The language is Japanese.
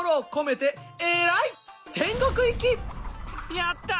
やったー！